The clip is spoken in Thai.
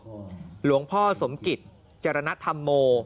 พระราชทานเพลิงศพหลวงพ่อสมกิตจรณฑรรมโม